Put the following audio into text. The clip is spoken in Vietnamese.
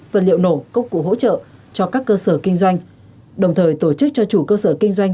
vật liệu nổ công cụ hỗ trợ cho các cơ sở kinh doanh đồng thời tổ chức cho chủ cơ sở kinh doanh